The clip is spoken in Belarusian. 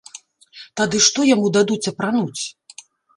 Тады што яму дадуць апрануць?